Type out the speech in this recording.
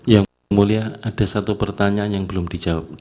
yang mulia ada satu pertanyaan yang belum dijawab